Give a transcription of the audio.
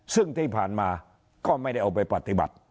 ซึ่งที่ผ่านมาก็ไม่ได้เอาไปปฏิบัติ